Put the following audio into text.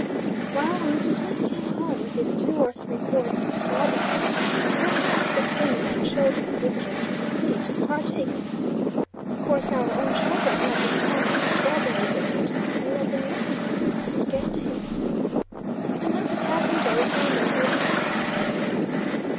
Well, when Mr. Smith came home with his two or three quarts of strawberries, we had six women and children, visitors from the city, to partake of them. Of course, our own children, who had been promised strawberries at tea time, and who had been looking for them, did'nt get a taste. And thus it happened over and over again.